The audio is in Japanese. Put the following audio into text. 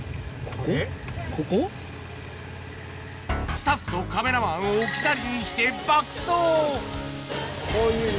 スタッフとカメラマンを置き去りにして爆走！